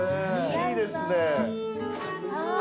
いいですね。